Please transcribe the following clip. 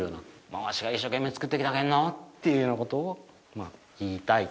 もうわしが一生懸命作ってきたけんのっていうようなことをまあ言いたい。